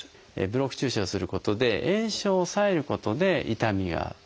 ブロック注射をすることで炎症を抑えることで痛みを取ると。